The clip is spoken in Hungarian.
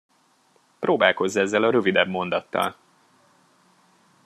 Próbálkozz ezzel a rövidebb mondattal!